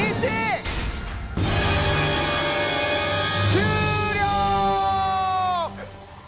終了！